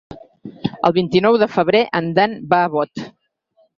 El vint-i-nou de febrer en Dan va a Bot.